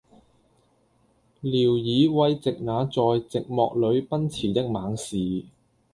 聊以慰藉那在寂寞裏奔馳的猛士，